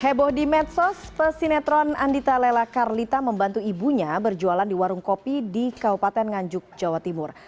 heboh di medsos pesinetron andita lela karlita membantu ibunya berjualan di warung kopi di kabupaten nganjuk jawa timur